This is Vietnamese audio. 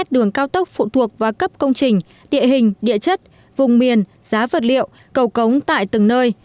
đường cao tốc phụ thuộc vào cấp công trình địa hình địa chất vùng miền giá vật liệu cầu cống tại từng nơi